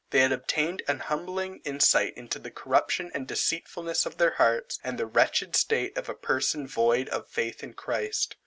They had obtained an humbling insight into the corruption and deceitfulness of their hearts, and the wretched state of a person void of faith in Christ.